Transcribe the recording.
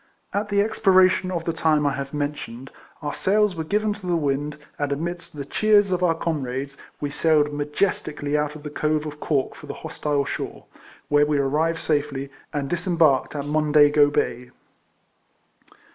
At the expiration of the time I have mentioned, our sails were given to the wind, and amidst the cheers of our comrades, we sailed majestically out of the Cove of Cork for the hostile shore, where we arrived safely, and disembarked at Mondego Bay.